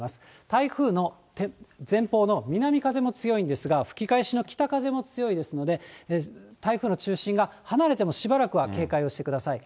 台風の前方の南風も強いんですが、吹き返しの北風も強いですので、台風の中心が離れてもしばらくは警戒をしてください。